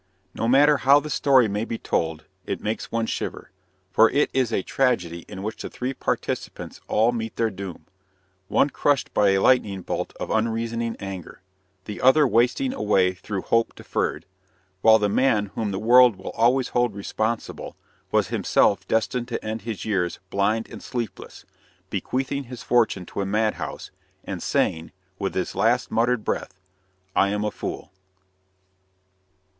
No matter how the story may be told, it makes one shiver, for it is a tragedy in which the three participants all meet their doom one crushed by a lightning bolt of unreasoning anger, the other wasting away through hope deferred; while the man whom the world will always hold responsible was himself destined to end his years blind and sleepless, bequeathing his fortune to a madhouse, and saying, with his last muttered breath: "I am a fool!"